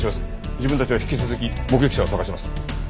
自分たちは引き続き目撃者を捜します。